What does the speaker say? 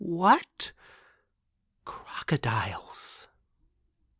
—what? Crocodiles?